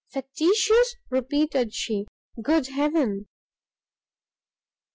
"Factitious," repeated she, "Good heaven!"